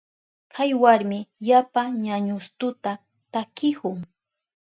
Kay warmi yapa ñañustuta takihun.